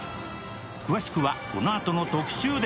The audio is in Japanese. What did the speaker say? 詳しくはこのあとの特集で。